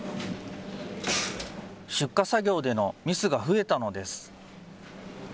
出荷作業でのミスが増えたのです。